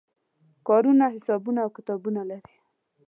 کارونه حسابونه او کتابونه لري.